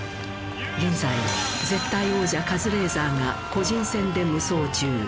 現在絶対王者カズレーザーが個人戦で無双中。